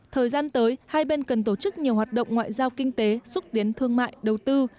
thời gian tới hai bên cần tổ chức nhiều hoạt động ngoại giao kinh tế xúc tiến thương mại đầu tư